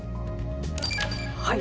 はい。